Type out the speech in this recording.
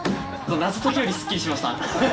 謎解きよりすっきりしました。